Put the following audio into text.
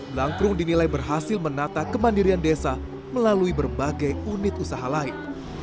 blangkrum dinilai berhasil menata kemandirian desa melalui berbagai unit usaha lain